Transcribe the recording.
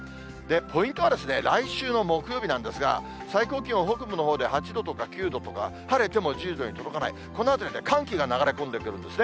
ポイントは来週の木曜日なんですが、最高気温、北部のほうで８度とか９度とか、晴れても１０度に届かない、このあたりで寒気が流れ込んでくるんですね。